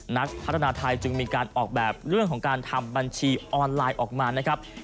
นักพัฒนาไทยจึงมีการออกแบบเรื่องของการทำบัญชีออนไลน์ออกมานะครับ